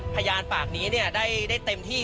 พยานปากนี้ได้เต็มที่